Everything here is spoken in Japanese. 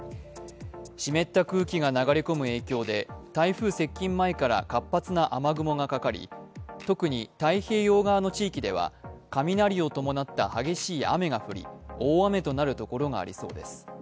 湿った空気が流れ込む影響で台風接近前から活発な雨雲がかかり、特に太平洋側の地域では雷を伴った激しい雨が降り大雨となるところがありそうです。